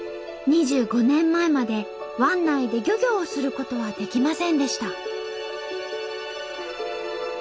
２５年前まで湾内で漁業をすることはできませんでした。